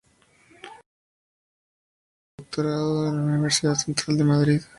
Posteriormente obtiene el doctorado por la Universidad Central de Madrid.